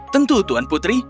tentu tuan putri